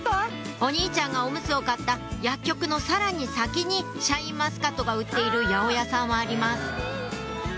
お兄ちゃんがオムツを買った薬局のさらに先にシャインマスカットが売っている八百屋さんはあります